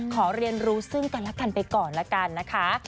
เรียนรู้ซึ่งกันและกันไปก่อนละกันนะคะ